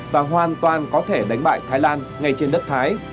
và hoàn toàn có thể đánh bại thái lan ngay trên đất thái